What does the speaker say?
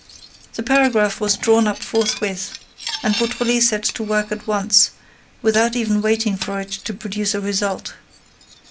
The paragraph was drawn up forthwith; and Beautrelet set to work at once, without even waiting for it to produce a result.